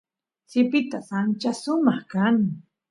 sipitas ancha sumaq kan